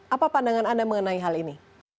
apa pandangan anda mengenai hal ini